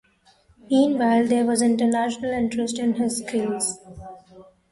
Meanwhile, there was international interest in his skills.